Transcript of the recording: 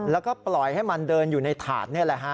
แล้วก็ปล่อยให้มันเดินอยู่ในถาด